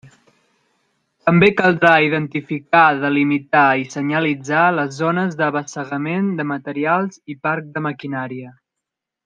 També caldrà identificar, delimitar i senyalitzar les zones d'abassegament de materials i parc de maquinària.